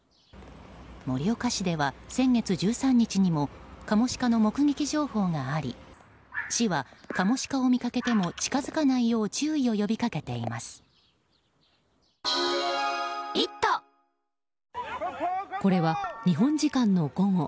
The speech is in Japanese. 盛岡市では、先月１３日にもカモシカの目撃情報があり市はカモシカを見かけても近づかないようこれは日本時間の午後